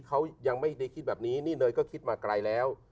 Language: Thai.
เขายังไม่ได้คิดแบบนี้นี่เนยก็คิดมาไกลแล้ว